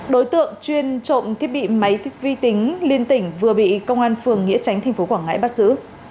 đối tượng chuyên trộm thiết bị máy vi tính liên tỉnh vừa bị công an phường nghĩa chánh tp quảng ngãi bắt giữ